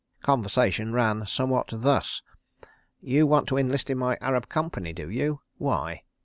... Conversation ran somewhat thus: "'You want to enlist in my Arab Company, do you? Why?